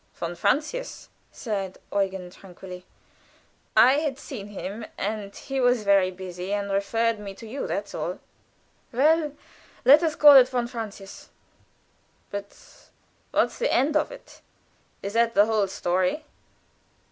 "Von Francius," said Eugen, tranquilly. "I had seen him, and he was very busy and referred me to you that's all." "Well let us call it von Francius." "But what's the end of it? Is that the whole story?"